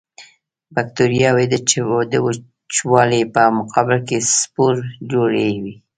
بکټریاوې د وچوالي په مقابل کې سپور جوړوي.